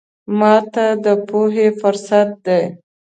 ماته د پوهې فرصت دی.